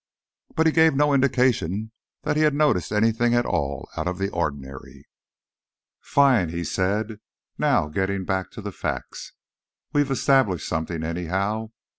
But he gave no indication that he had noticed anything at all out of the ordinary. "Fine," he said. "Now, getting on back to the facts, we've established something, anyhow.